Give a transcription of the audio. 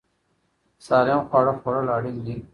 سالم خواړه خوړل اړین دي.